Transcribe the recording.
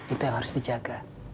itu yang harus dijaga